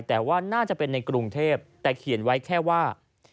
แต่ว่าน่าจะเป็นในกรุงเทพแต่เขียนไว้แค่ว่า